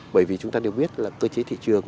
bởi vì chúng ta đều biết là cơ chế thị trường